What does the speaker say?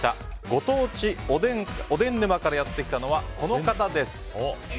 ご当地おでん沼からやって来たのは、この方です！